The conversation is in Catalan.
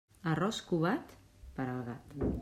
Arròs covat, per al gat.